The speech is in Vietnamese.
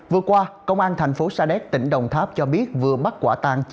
vừa qua công an thành phố sa đéc tỉnh đồng tháp cho biết vừa bắt quả tàng